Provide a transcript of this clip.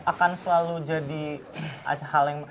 akan selalu jadi hal yang